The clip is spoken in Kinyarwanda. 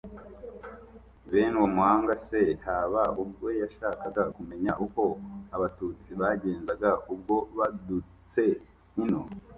bene uwo muhanga se, haba ubwo yashakaga kumenya uko abatutsi bagenzaga ubwo badutse ino.